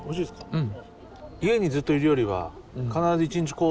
うん。